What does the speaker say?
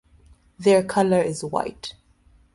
Their color is white.